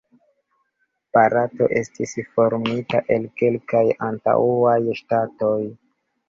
Barato estis formita el kelkaj antaŭaj ŝtatoj.